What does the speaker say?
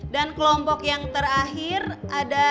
dan kelompok yang terakhir ada